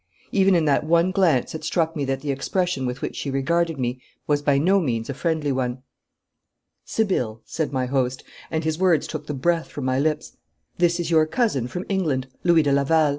Even in that one glance it struck me that the expression with which she regarded me was by no means a friendly one. 'Sibylle,' said my host, and his words took the breath from my lips, 'this is your cousin from England, Louis de Laval.